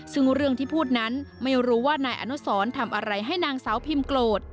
ซึ่งเรื่องที่พูดนั้นไม่รู้ว่านายอนุสรทำอะไรให้นางสาวพิมโกรธ